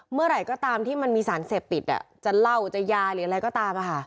เมื่อไหร่ก็ตามที่มันมีสารเสพติดจะเหล้าจะยาหรืออะไรก็ตาม